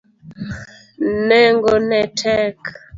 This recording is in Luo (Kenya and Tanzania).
Nengo no tek.